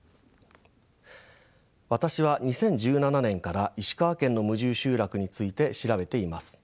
私は２０１７年から石川県の無住集落について調べています。